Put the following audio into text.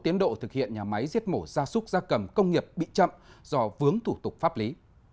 tiến độ thực hiện nhà máy giết mổ gia súc gia cầm công nghiệp bị chậm do vướng thủ tục pháp lý